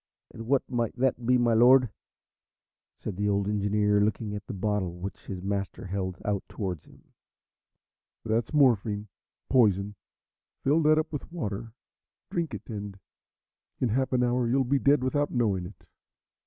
"And what might that be, my Lord?" said the old engineer, looking at the bottle which his master held out towards him. "That's morphine poison. Fill that up with water, drink it, and in half an hour you'll be dead without knowing it.